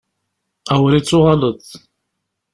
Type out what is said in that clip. Awer i d-tuɣaleḍ!